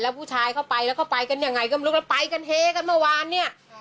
ผู้ชายเข้าไปแล้วเข้าไปกันยังไงก็ไม่รู้แล้วไปกันเฮกันเมื่อวานเนี่ย